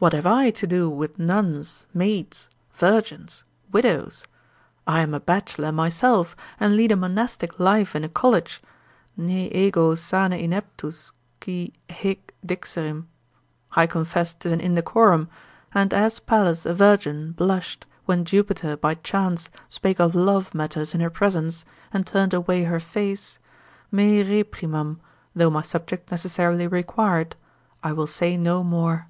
What have I to do with nuns, maids, virgins, widows? I am a bachelor myself, and lead a monastic life in a college, nae ego sane ineptus qui haec dixerim,) I confess 'tis an indecorum, and as Pallas a virgin blushed, when Jupiter by chance spake of love matters in her presence, and turned away her face; me reprimam though my subject necessarily require it, I will say no more.